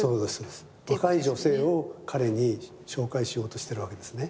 若い女性を彼に紹介しようとしてるわけですね